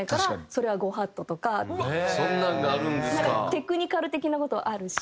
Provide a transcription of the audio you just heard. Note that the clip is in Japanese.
テクニカル的な事はあるし。